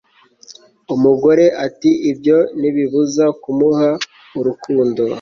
Umugore ati Ibyo ntibibuza kumuha urukundo